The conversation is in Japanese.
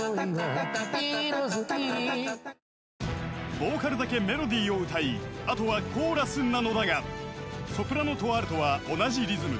［ボーカルだけメロディーを歌いあとはコーラスなのだがソプラノとアルトは同じリズム］